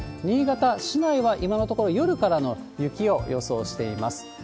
新潟市内は今のところ、夜からの雪を予想しています。